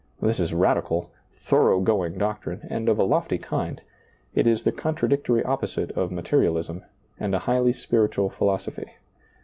This is radical, thorough going doctrine, and of a lofty kind ; it is the contradictory opposite of materialism, and a highly spiritual philosophy.